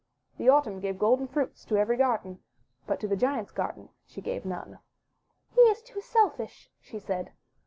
The Autumn gave golden fruit to every garden, but to the Giant's garden she gave none. ''He is too self ish," she said.